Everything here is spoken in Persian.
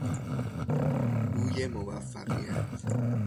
بوی موفقیت